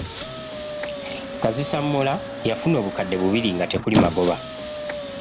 Kazissammula yafuna obukadde bubiri nga tekuli magoba!